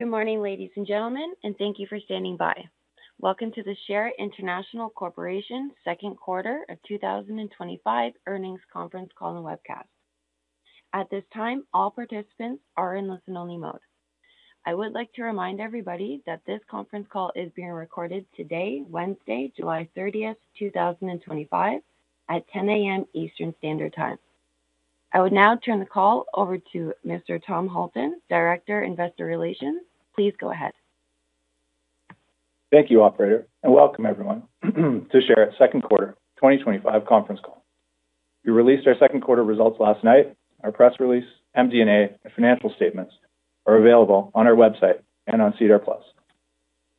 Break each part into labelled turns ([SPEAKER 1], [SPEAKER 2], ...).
[SPEAKER 1] Good morning, ladies and gentlemen, and thank you for standing by. Welcome to the Sherritt International Corporation second quarter 2025 earnings conference call and webcast. At this time, all participants are in listen-only mode. I would like to remind everybody that this conference call is being recorded today, Wednesday, July 30th, 2025, at 10:00 A.M. Eastern Standard Time. I would now turn the call over to Mr. Tom Halton, Director of Investor Relations. Please go ahead.
[SPEAKER 2] Thank you, Operator, and welcome, everyone, to Sherritt International Corporation's second quarter 2025 conference call. We released our second quarter results last night. Our press release, MD&A, and financial statements are available on our website and on SEDAR+.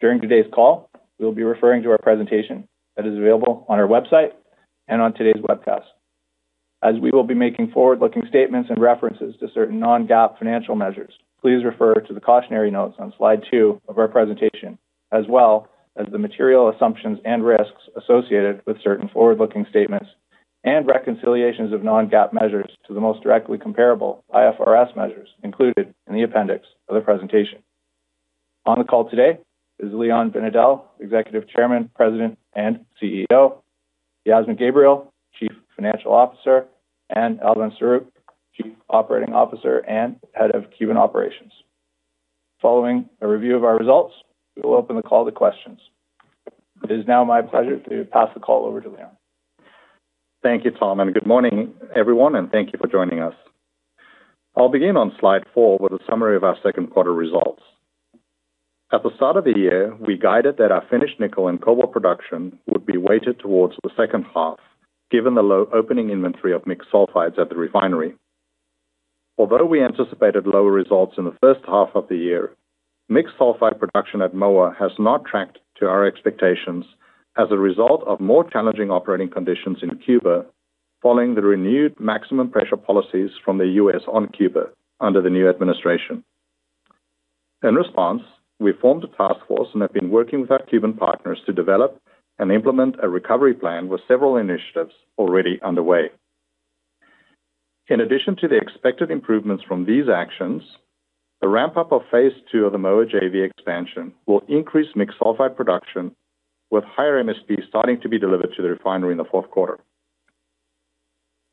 [SPEAKER 2] During today's call, we will be referring to our presentation that is available on our website and on today's webcast. As we will be making forward-looking statements and references to certain non-GAAP financial measures, please refer to the cautionary notes on slide two of our presentation, as well as the material assumptions and risks associated with certain forward-looking statements and reconciliations of non-GAAP measures to the most directly comparable IFRS measures included in the appendix of the presentation. On the call today is Leon Binedell, Executive Chairman, President, and CEO, Yasmin Gabriel, Chief Financial Officer, and Elvin Saruk, Chief Operating Officer and Head of Cuban Operations. Following a review of our results, we will open the call to questions. It is now my pleasure to pass the call over to Leon.
[SPEAKER 3] Thank you, Tom, and good morning, everyone, and thank you for joining us. I'll begin on slide four with a summary of our second quarter results. At the start of the year, we guided that our finished nickel and cobalt production would be weighted towards the second half, given the low opening inventory of mixed sulfide precipitate at the refinery. Although we anticipated lower results in the first half of the year, mixed sulfide precipitate production at Moa has not tracked to our expectations as a result of more challenging operating conditions in Cuba following the renewed maximum pressure policies from the U.S. on Cuba under the new administration. In response, we formed a task force and have been working with our Cuban partners to develop and implement a recovery plan with several initiatives already underway. In addition to the expected improvements from these actions, the ramp-up of phase II of the Moa JV expansion will increase mixed sulfide precipitate production with higher MSPs starting to be delivered to the refinery in the fourth quarter.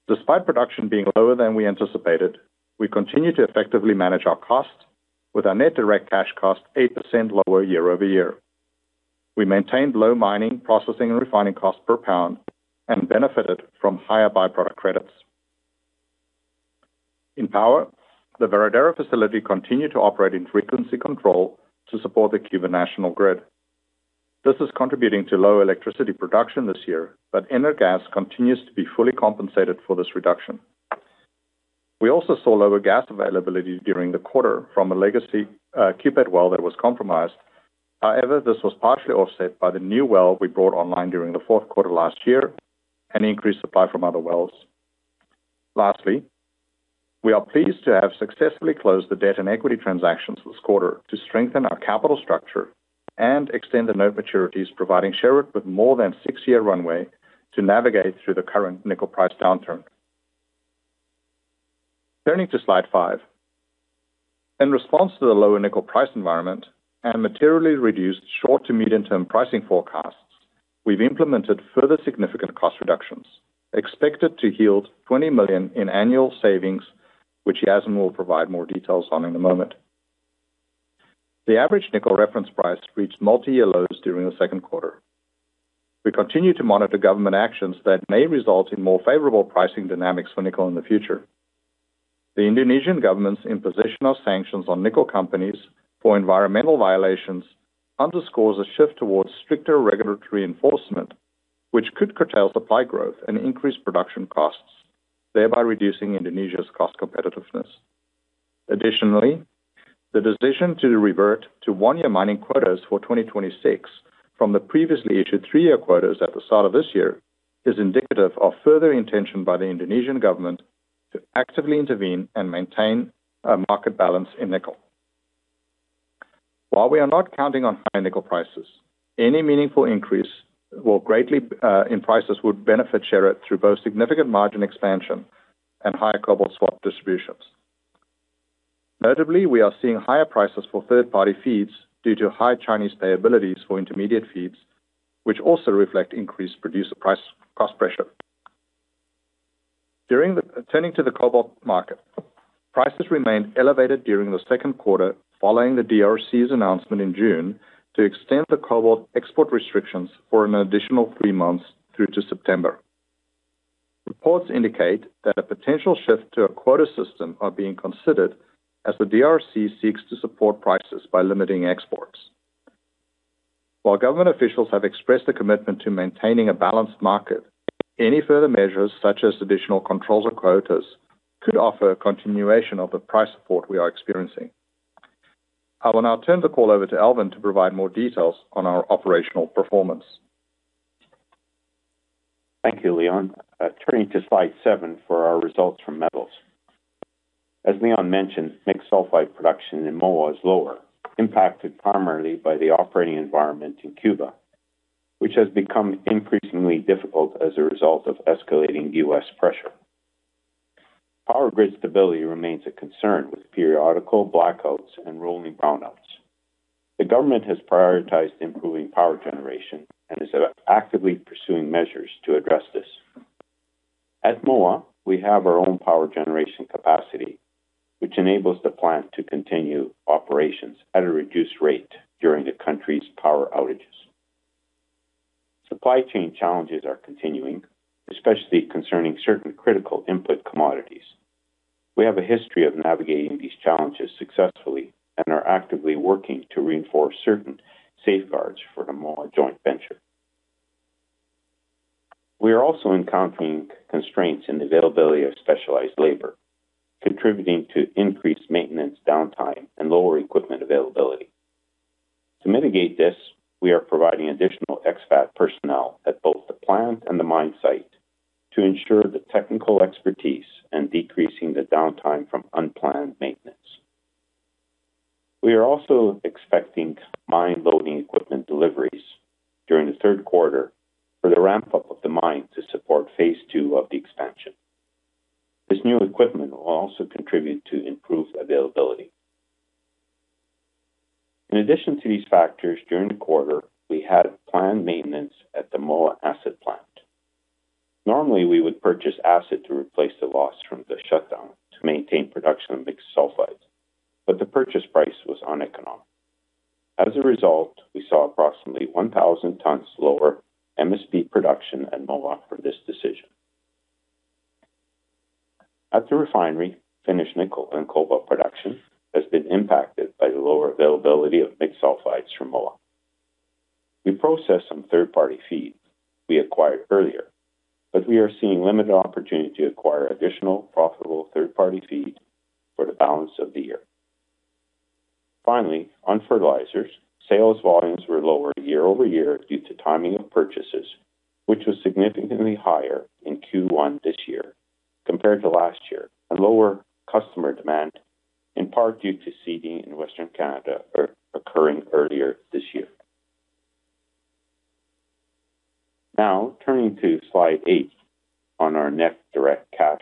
[SPEAKER 3] Despite production being lower than we anticipated, we continue to effectively manage our costs, with our net direct cash cost 8% lower year-over-year. We maintained low mining, processing, and refining costs per pound and benefited from higher byproduct credits. In power, the Varadero power facility continued to operate in frequency control mode to support the Cuban National Grid. This is contributing to low electricity production this year, but Energas continues to be fully compensated for this reduction. We also saw lower gas availability during the quarter from a legacy CUPET well that was compromised. However, this was partially offset by the new well we brought online during the fourth quarter last year and increased supply from other wells. Lastly, we are pleased to have successfully closed the debt and equity transactions this quarter to strengthen our capital structure and extend the note maturities, providing Sherritt International Corporation with more than a six-year runway to navigate through the current nickel price downturn. Turning to slide five, in response to the lower nickel price environment and materially reduced short-to-medium-term pricing forecasts, we've implemented further significant cost reductions, expected to yield $20 million in annual savings, which Yasmin will provide more details on in a moment. The average nickel reference price reached multi-year lows during the second quarter. We continue to monitor government actions that may result in more favorable pricing dynamics for nickel in the future. The Indonesian government's imposition of sanctions on nickel companies for environmental violations underscores a shift towards stricter regulatory enforcement, which could curtail supply growth and increase production costs, thereby reducing Indonesia's cost competitiveness. Additionally, the decision to revert to one-year mining quotas for 2026 from the previously issued three-year quotas at the start of this year is indicative of further intention by the Indonesian government to actively intervene and maintain a market balance in nickel. While we are not counting on high nickel prices, any meaningful increase in prices would benefit Sherritt through both significant margin expansion and higher cobalt swap distributions. Notably, we are seeing higher prices for third-party feeds due to high Chinese payabilities for intermediate feeds, which also reflect increased producer price cost pressure. Turning to the cobalt market, prices remained elevated during the second quarter following the DRC's announcement in June to extend the cobalt export restrictions for an additional three months through to September. Reports indicate that a potential shift to a quota system is being considered as the DRC seeks to support prices by limiting exports. While government officials have expressed a commitment to maintaining a balanced market, any further measures, such as additional controls or quotas, could offer a continuation of the price support we are experiencing. I will now turn the call over to Elvin to provide more details on our operational performance.
[SPEAKER 4] Thank you, Leon. Turning to slide seven for our results from metals. As Leon mentioned, mixed sulfide production in Moa is lower, impacted primarily by the operating environment in Cuba, which has become increasingly difficult as a result of escalating U.S. pressure. Power grid stability remains a concern with periodical blackouts and rolling brownouts. The government has prioritized improving power generation and is actively pursuing measures to address this. At Moa, we have our own power generation capacity, which enables the plant to continue operations at a reduced rate during the country's power outages. Supply chain challenges are continuing, especially concerning certain critical input commodities. We have a history of navigating these challenges successfully and are actively working to reinforce certain safeguards for the Moa Joint Venture. We are also encountering constraints in the availability of specialized labor, contributing to increased maintenance downtime and lower equipment availability. To mitigate this, we are providing additional ex-pat personnel at both the plant and the mine site to ensure the technical expertise and decreasing the downtime from unplanned maintenance. We are also expecting mine-loading equipment deliveries during the third quarter for the ramp-up of the mine to support phase II of the expansion. This new equipment will also contribute to improved availability. In addition to these factors, during the quarter, we had planned maintenance at the Moa acid plant. Normally, we would purchase acid to replace the loss from the shutdown to maintain production of mixed sulfides, but the purchase price was uneconomic. As a result, we saw approximately 1,000 tons lower MSP production at Moa from this decision. At the refinery, finished nickel and cobalt production has been impacted by the lower availability of mixed sulfides from Moa. We processed some third-party feed we acquired earlier, but we are seeing limited opportunity to acquire additional profitable third-party feed for the balance of the year. Finally, on fertilizers, sales volumes were lower year-over-year due to timing of purchases, which was significantly higher in Q1 this year compared to last year and lower customer demand in part due to seeding in Western Canada occurring earlier this year. Now, turning to slide eight on our net direct cash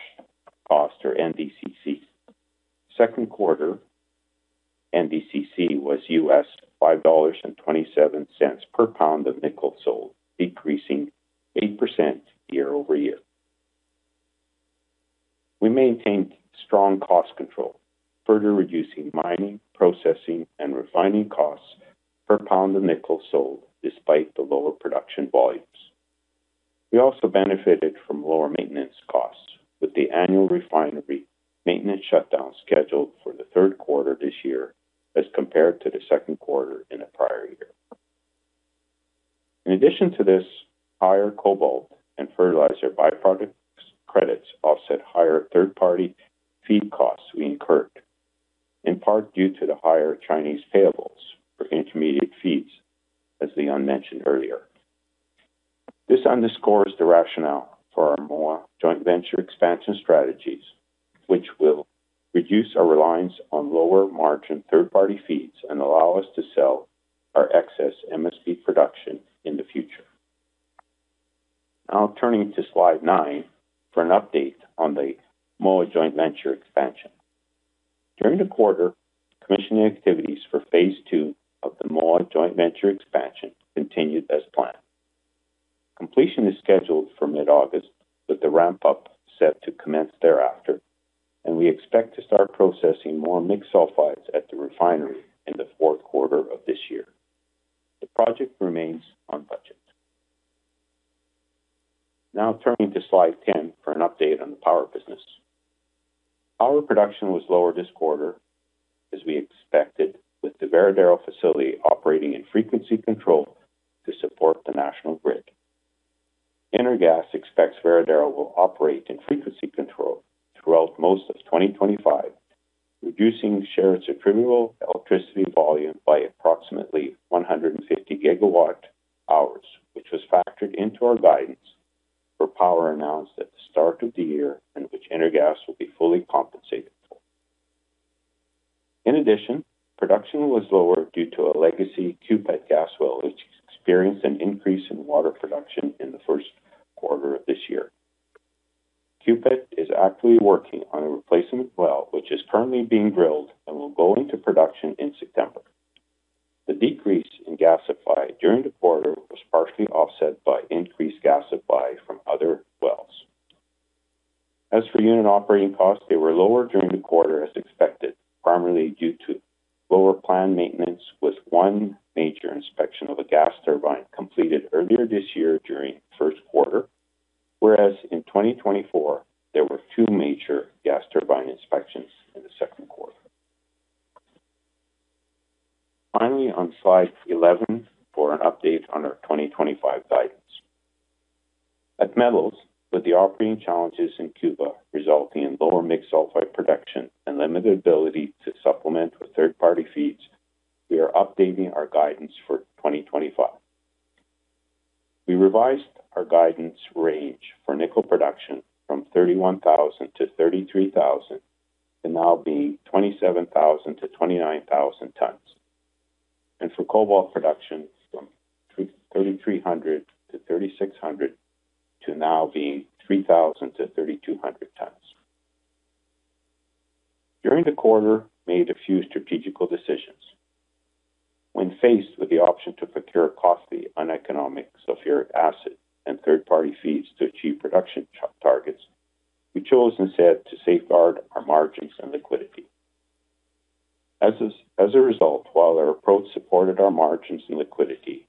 [SPEAKER 4] cost or NDCC. Second quarter, NDCC was $5.27 per pound of nickel sold, decreasing 8% year-over-year. We maintained strong cost control, further reducing mining, processing, and refining costs per pound of nickel sold despite the lower production volumes. We also benefited from lower maintenance costs with the annual refinery maintenance shutdown scheduled for the third quarter this year as compared to the second quarter in the prior year. In addition to this, higher cobalt and fertilizer byproduct credits offset higher third-party feed costs we incurred, in part due to the higher Chinese payables for intermediate feeds, as Leon mentioned earlier. This underscores the rationale for our Moa Joint Venture expansion strategies, which will reduce our reliance on lower margin third-party feeds and allow us to sell our excess mixed sulfide precipitate production in the future. Now, turning to slide nine for an update on the Moa Joint Venture expansion. During the quarter, commissioning activities for phase II of the Moa Joint Venture expansion continued as planned. Completion is scheduled for mid-August, with the ramp-up set to commence thereafter, and we expect to start processing more mixed sulfides at the refinery in the fourth quarter of this year. The project remains on budget. Now, turning to slide 10 for an update on the power business. Power production was lower this quarter, as we expected, with the Varadero power facility operating in frequency control mode to support the national grid. Energas expects Varadero will operate in frequency control mode throughout most of 2025, reducing Sherritt's attributable electricity volume by approximately 150 GWh, which was factored into our guidance for power announced at the start of the year and which Energas will be fully compensated for. In addition, production was lower due to a legacy CUPET gas well, which experienced an increase in water production in the first quarter of this year. CUPET is actively working on a replacement well, which is currently being drilled and will go into production in September. The decrease in gas supply during the quarter was partially offset by increased gas supply from other wells. As for unit operating costs, they were lower during the quarter as expected, primarily due to lower planned maintenance with one major inspection of a gas to now being 27,000-29,000 tons, and for cobalt production from 3,300-3,600 to now being 3,000-3,200 tons. During the quarter, we made a few strategic decisions. When faced with the option to procure costly uneconomic sulfuric acid and third-party feeds to achieve production targets, we chose instead to safeguard our margins and liquidity. As a result, while our approach supported our margins and liquidity,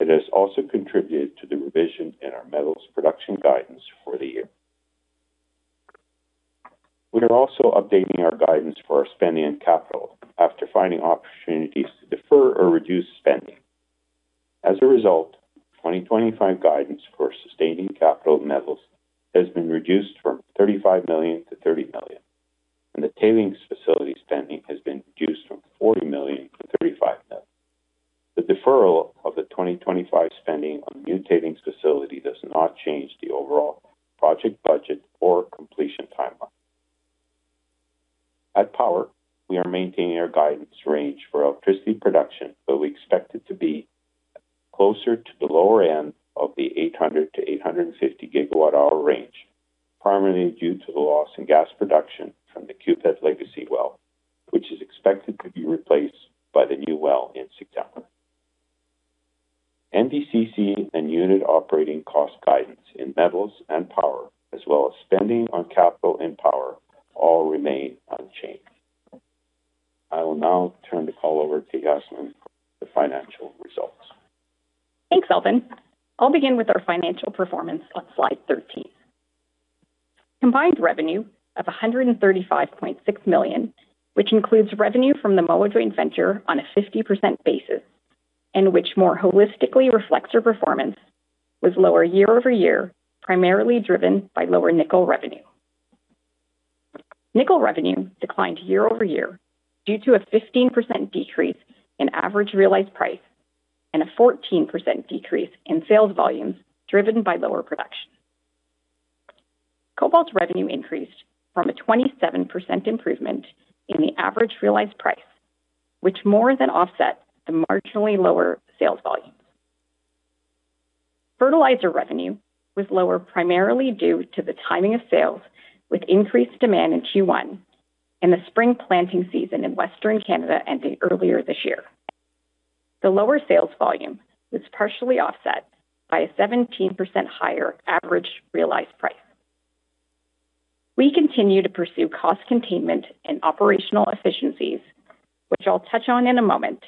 [SPEAKER 4] it has also contributed to the revision in our metals production guidance for the year. We are also updating our guidance for our spending and capital after finding opportunities to defer or reduce spending. As a result, 2025 guidance for sustaining capital metals has been reduced from $35 million-$30 million, and the tailings facility spending has been reduced from $40 million-$35 million. The deferral of the 2025 spending on the new tailings facility does not change the overall project budget or completion timeline. At power, we are maintaining our guidance range for electricity production, but we expect it to be closer to the lower end of the 800 GWh-850 GWh range, primarily due to the loss in gas production from the CUPET legacy well, which is expected to be replaced by the new well in September. NDCC and unit operating cost guidance in metals and power, as well as spending on capital in power, all remain unchanged. I will now turn the call over to Yasmin for the financial results.
[SPEAKER 5] Thanks, Elvin. I'll begin with our financial performance on slide 13. Combined revenue of $135.6 million, which includes revenue from the Moa Joint Venture on a 50% basis and which more holistically reflects our performance, was lower year-over-year, primarily driven by lower nickel revenue. Nickel revenue declined year-over-year due to a 15% decrease in average realized price and a 14% decrease in sales volumes driven by lower production. Cobalt revenue increased from a 27% improvement in the average realized price, which more than offset the marginally lower sales volume. Fertilizer revenue was lower primarily due to the timing of sales with increased demand in Q1 and the spring planting season in Western Canada ending earlier this year. The lower sales volume was partially offset by a 17% higher average realized price. We continue to pursue cost containment and operational efficiencies, which I'll touch on in a moment,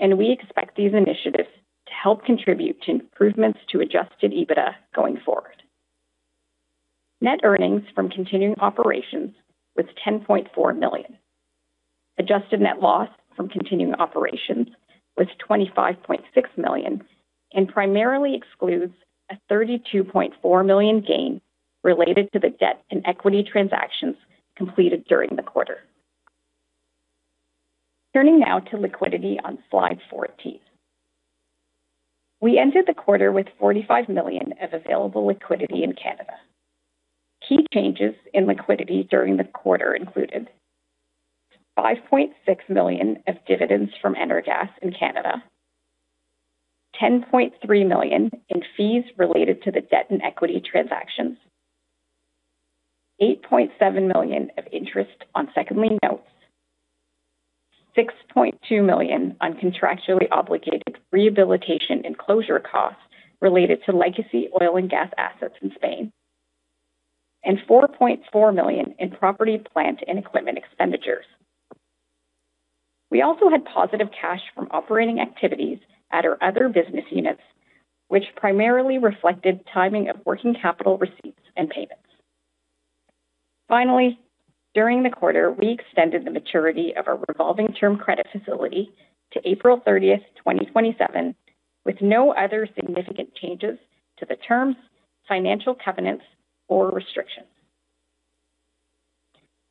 [SPEAKER 5] and we expect these initiatives to help contribute to improvements to adjusted EBITDA going forward. Net earnings from continuing operations was $10.4 million. Adjusted net loss from continuing operations was $25.6 million and primarily excludes a $32.4 million gain related to the debt and equity transactions completed during the quarter. Turning now to liquidity on slide 14. We ended the quarter with $45 million of available liquidity in Canada. Key changes in liquidity during the quarter included $5.6 million of dividends from Energas in Canada, $10.3 million in fees related to the debt and equity transactions, $8.7 million of interest on second lien notes, $6.2 million on contractually obligated rehabilitation and closure costs related to legacy oil and gas assets in Spain, and $4.4 million in property, plant, and equipment expenditures. We also had positive cash from operating activities at our other business units, which primarily reflected timing of working capital receipts and payments. Finally, during the quarter, we extended the maturity of our revolving credit facility to April 30th, 2027, with no other significant changes to the terms, financial covenants, or restrictions.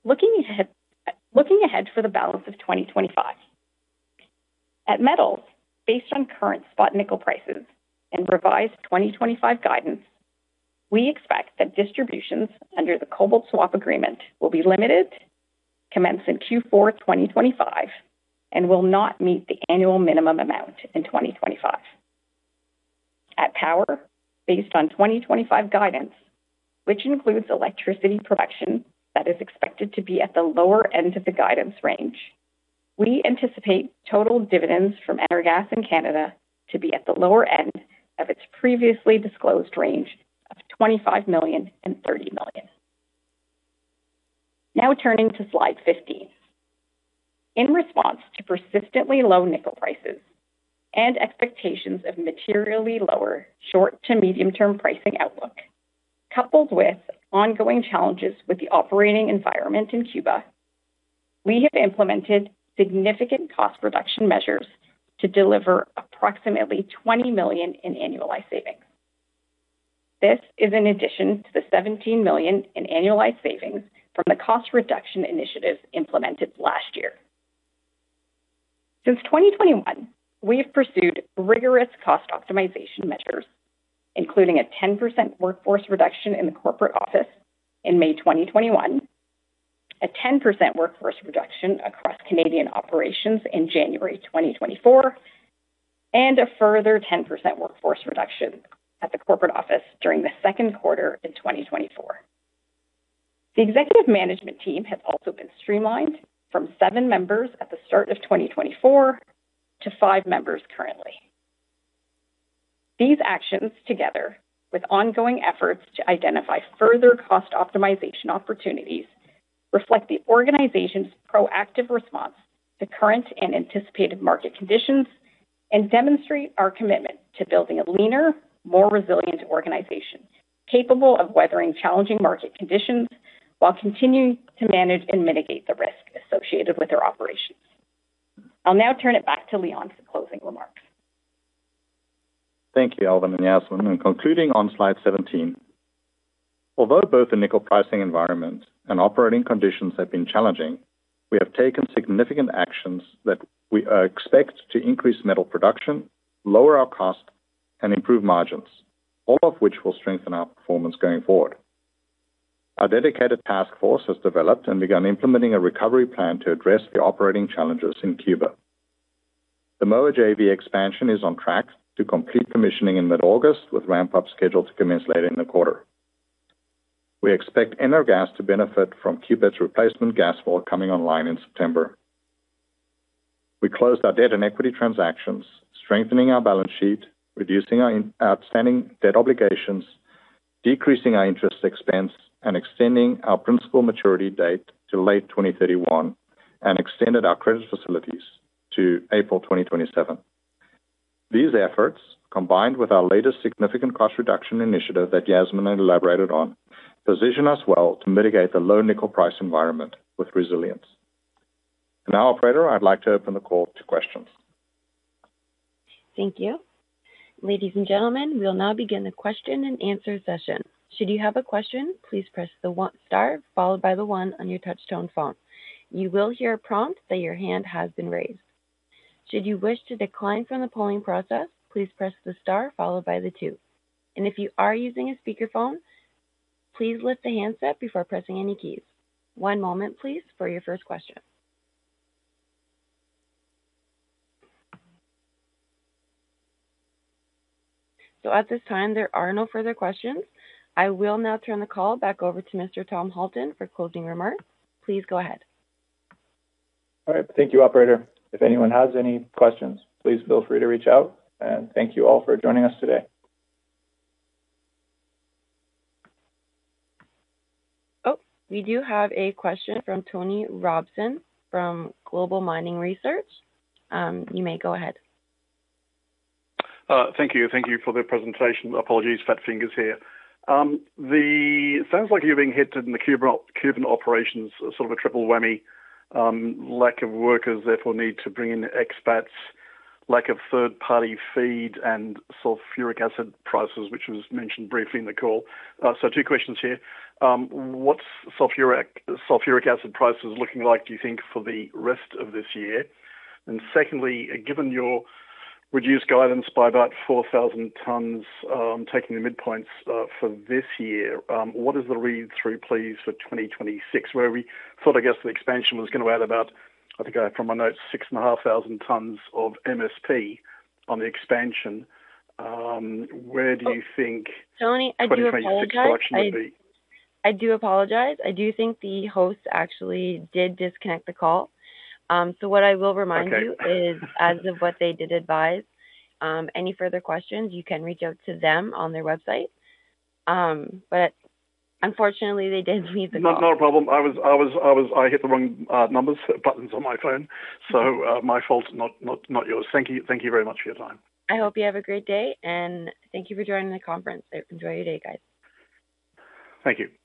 [SPEAKER 5] Looking ahead for the balance of 2025, at metals, based on current spot nickel prices and revised 2025 guidance, we expect that distributions under the cobalt swap agreement will be limited, commence in Q4 2025, and will not meet the annual minimum amount in 2025. At power, based on 2025 guidance, which includes electricity production that is expected to be at the lower end of the guidance range, we anticipate total dividends from Energas in Canada to be at the lower end of its previously disclosed range of $25 million and $30 million. Now turning to slide 15. In response to persistently low nickel prices and expectations of materially lower short-to-medium-term pricing outlook, coupled with ongoing challenges with the operating environment in Cuba, we have implemented significant cost reduction measures to deliver approximately $20 million in annualized savings. This is in addition to the $17 million in annualized savings from the cost reduction initiatives implemented last year. Since 2021, we have pursued rigorous cost optimization measures, including a 10% workforce reduction in the corporate office in May 2021, a 10% workforce reduction across Canadian operations in January 2024, and a further 10% workforce reduction at the corporate office during the second quarter in 2024. The executive management team has also been streamlined from seven members at the start of 2024 to five members currently. These actions, together with ongoing efforts to identify further cost optimization opportunities, reflect the organization's proactive response to current and anticipated market conditions and demonstrate our commitment to building a leaner, more resilient organization capable of weathering challenging market conditions while continuing to manage and mitigate the risk associated with their operations. I'll now turn it back to Leon for closing remarks.
[SPEAKER 3] Thank you, Elvin and Yasmin. Concluding on slide 17, although both the nickel pricing environment and operating conditions have been challenging, we have taken significant actions that we expect to increase metal production, lower our cost, and improve margins, all of which will strengthen our performance going forward. Our dedicated task force has developed and begun implementing a recovery plan to address the operating challenges in Cuba. The Moa Joint Venture expansion is on track to complete commissioning in mid-August, with ramp-ups scheduled to commence later in the quarter. We expect Energas to benefit from CUPET's replacement gas well coming online in September. We closed our debt and equity transactions, strengthening our balance sheet, reducing our outstanding debt obligations, decreasing our interest expense, and extending our principal maturity date to late 2031, and extended our credit facilities to April 2027. These efforts, combined with our latest significant cost reduction initiative that Yasmin elaborated on, position us well to mitigate the low nickel price environment with resilience. Now, Operator, I'd like to open the call to questions.
[SPEAKER 1] Thank you. Ladies and gentlemen, we'll now begin the question-and-answer session. Should you have a question, please press the star followed by the one on your touch-tone phone. You will hear a prompt that your hand has been raised. Should you wish to decline from the polling process, please press the star followed by the two. If you are using a speakerphone, please lift the handset before pressing any keys. One moment, please, for your first question. At this time, there are no further questions. I will now turn the call back over to Mr. Tom Halton for closing remarks. Please go ahead.
[SPEAKER 2] All right. Thank you, Operator. If anyone has any questions, please feel free to reach out. Thank you all for joining us today.
[SPEAKER 1] Oh, we do have a question from Tony Robson from Global Mining Research. You may go ahead.
[SPEAKER 6] Thank you. Thank you for the presentation. Apologies, fat fingers here. It sounds like you're being hit in the Cuban operations, sort of a triple whammy: lack of workers, therefore need to bring in expats, lack of third-party feed, and sulfuric acid prices, which was mentioned briefly in the call. Two questions here. What's sulfuric acid prices looking like, do you think, for the rest of this year? Secondly, given your reduced guidance by about 4,000 tons taking the midpoints for this year, what is the read-through, please, for 2026, where we thought, I guess, the expansion was going to add about, I think I have from my notes, 6,500 tons of mixed sulfide precipitate on the expansion. Where do you think?
[SPEAKER 1] Tony, I do apologize. I do think the host actually did disconnect the call. What I will remind you is, as of what they did advise, any further questions, you can reach out to them on their website. Unfortunately, they did leave the call.
[SPEAKER 6] Not a problem. I hit the wrong numbers buttons on my phone. My fault, not yours. Thank you very much for your time.
[SPEAKER 1] I hope you have a great day, and thank you for joining the conference. Enjoy your day, guys.
[SPEAKER 6] Thank you. Bye.